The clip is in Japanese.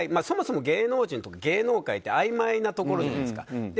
そもそも芸能人とか芸能界ってあいまいなところじゃないですか。